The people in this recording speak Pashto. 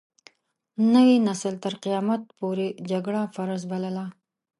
نوي نسل تر قيامت پورې جګړه فرض بلله.